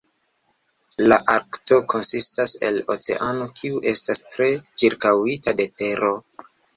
La Arkto konsistas el oceano kiu estas tre ĉirkaŭita de tero.